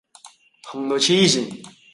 痛到痴線